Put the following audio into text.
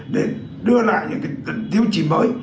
để đưa lại những tiêu chí mới